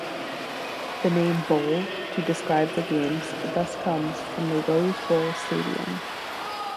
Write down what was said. The name "bowl" to describe the games thus comes from the Rose Bowl stadium.